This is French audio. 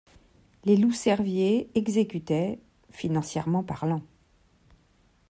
Les Loups-Cerviers exécutaient, financièrement parlant